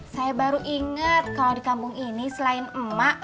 saya baru ingat kalau di kampung ini selain emak